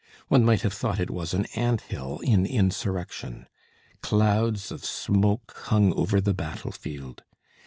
One might have thought it was an ant hill in insurrection. Clouds of smoke hung over the battle field.